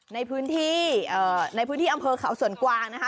ในพื้นที่ในพื้นที่อำเภอเขาสวนกวางนะคะ